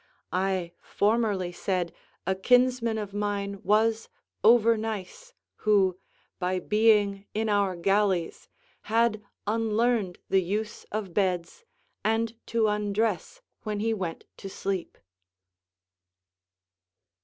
I formerly said a kinsman of mine was overnice, who, by being in our galleys, had unlearned the use of beds and to undress when he went to sleep.